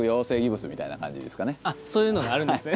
あっそういうのがあるんですね。